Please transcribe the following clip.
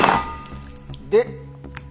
で。